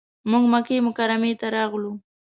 موږ مکې مکرمې ته راغلو.